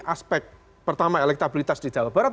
aspek pertama elektabilitas di jawa barat